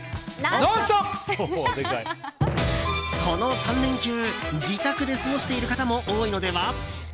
この３連休自宅で過ごしている方も多いのでは？